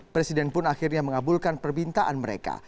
presiden pun akhirnya mengabulkan permintaan mereka